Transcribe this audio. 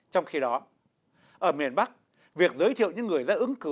trong khi đó ở miền bắc việc giới thiệu những người ra ứng cử